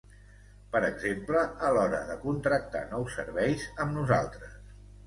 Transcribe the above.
Per exemple, a l'hora de contractar nous serveis amb nosaltres.